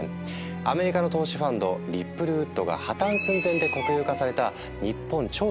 アメリカの投資ファンドリップルウッドが破綻寸前で国有化された日本長期信用銀行こと